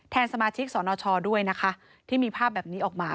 สมาชิกสนชด้วยนะคะที่มีภาพแบบนี้ออกมา